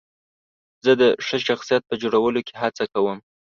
زه د ښه شخصیت په جوړولو کې هڅه کوم.